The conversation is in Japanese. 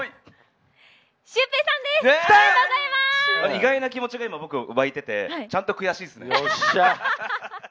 意外な気持ちが僕湧いてて、ちゃんと悔しいっすね。